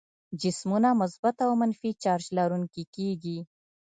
جسمونه مثبت او منفي چارج لرونکي کیږي.